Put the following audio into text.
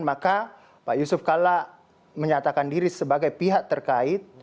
maka pak yusuf kalla menyatakan diri sebagai pihak terkait